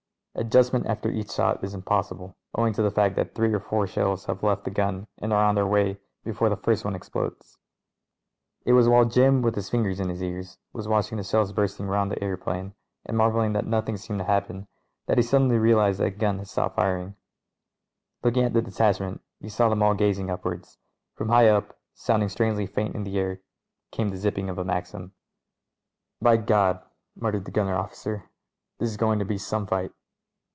Adjustment after each shot is impossible owing to the fact that three or four shells have left the gun and are on their way before the first one ex plodes. It was while Jim, with his fingers in his ears, was watching the shells bursting round the aeroplane and marvelling that nothing seemed to happen, that he suddenly realised that the gun had stopped firing. Looking at the detachment, he saw them all gazing upwards. From high up, sounding strangely faint in the air, came the zipping of a Maxim. "By Gad !" muttered the gunner officer ; "this is go ing to be some fight."